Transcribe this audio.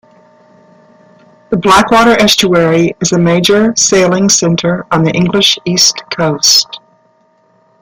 The Blackwater estuary is a major sailing centre on the English east coast.